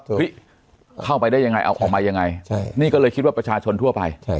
เฮ้ยเข้าไปได้ยังไงเอาออกมายังไงใช่นี่ก็เลยคิดว่าประชาชนทั่วไป